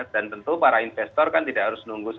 dan tentu para investor kan tidak harus ya menanggapi ini